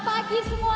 selamat pagi semua